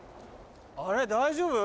あれ大丈夫？